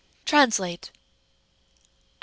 TRANSLATE '1.